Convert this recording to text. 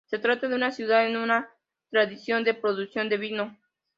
Se trata de una ciudad con una tradición de producción de vino.